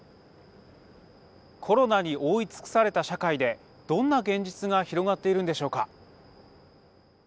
コロナに覆い尽くされた社会でどんな現実が広がっているんでしょうか。